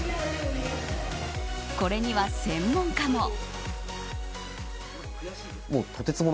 これには専門家も。